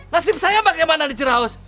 nasib saya bagaimana di jeraus